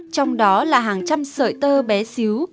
trong đó là hàng trăm sợi tơ bé xíu